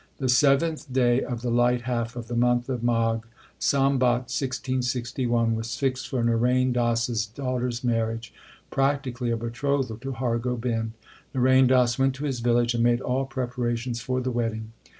The seventh day of the light half of the month of Magh, Sambat 1661, was fixed for Narain Das s daughter s marriage practically a betrothal to Har Gobind ; Narain Das went to his village and made all preparations for the wedding.